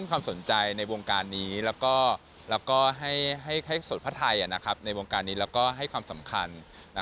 ความสนใจในวงการนี้แล้วก็ให้สวดพระไทยในวงการนี้แล้วก็ให้ความสำคัญ